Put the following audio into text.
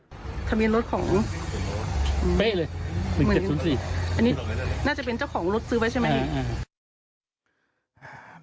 ทะเบียนรถของเป๊ะเลย๑๗๐๔อันนี้น่าจะเป็นเจ้าของรถซื้อไว้ใช่ไหม